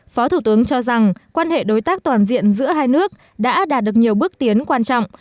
phó thủ tướng cho rằng quan hệ đối tác toàn diện giữa hai nước đã đạt được nhiều bước tiến quan trọng